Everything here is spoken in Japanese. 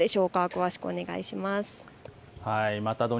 詳しくお願いします。